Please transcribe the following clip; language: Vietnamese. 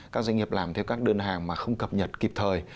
các doanh nghiệp làm theo các đơn hàng mà không cập nhật kịp thời